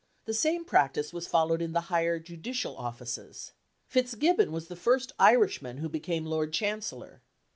The same practice was followed in the higher judicial offices. Fitzgibbon was the first Irishman who became Lord Chancellor.